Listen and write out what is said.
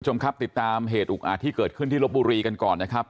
คุณผู้ชมครับติดตามเหตุอุกอาจที่เกิดขึ้นที่ลบบุรีกันก่อนนะครับ